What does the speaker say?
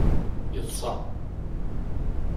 Yeḍṣa.